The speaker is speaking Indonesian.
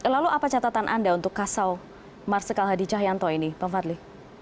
lalu apa catatan anda untuk kasau marsikal hadi cahyanto ini pak fadli